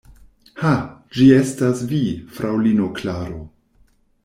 Ha, ĝi estas vi, fraŭlino Klaro!